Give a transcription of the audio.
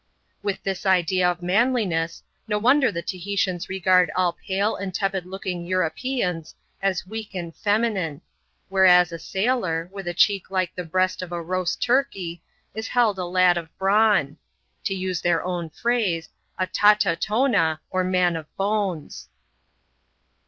With this idea of manliness, no wonder the Tahitians regard ill pale and tepid looking Europeans as weak and feminine^ vhereas a sailor, with a cheek like the breast of a roast turkey, s held a lad of brawn : to use their own phrase, a " taata tona>'' nr man of bones.